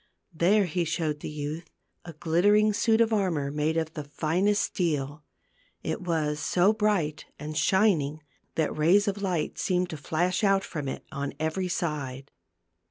There he showed the youth a glittering suit of armor made of the finest steel. It was so bright and shining that rays of light seemed to flash out from it on every side.